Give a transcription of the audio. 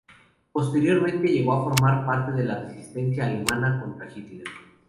Posteriormente llegó a formar parte de la resistencia alemana contra Hitler.